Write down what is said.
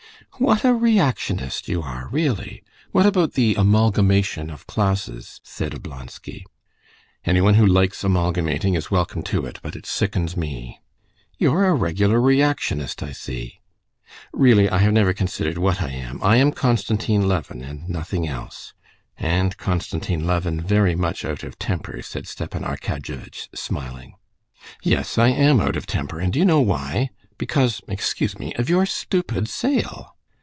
"What a reactionist you are, really! What about the amalgamation of classes?" said Oblonsky. "Anyone who likes amalgamating is welcome to it, but it sickens me." "You're a regular reactionist, I see." "Really, I have never considered what I am. I am Konstantin Levin, and nothing else." "And Konstantin Levin very much out of temper," said Stepan Arkadyevitch, smiling. "Yes, I am out of temper, and do you know why? Because—excuse me—of your stupid sale...."